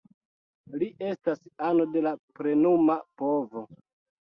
Li estas ano de la plenuma povo.